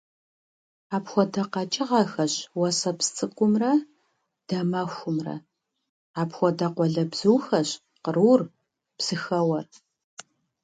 Апхуэдэ къэкӀыгъэхэщ уэсэпсцӀыкӀумрэ дамэхумрэ; апхуэдэ къуалэбзухэщ кърур, псыхэуэр.